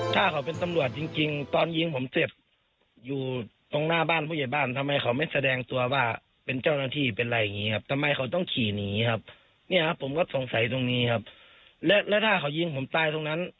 ตรงนี้ครับและและถ้าเขายิงผมตายตรงนั้น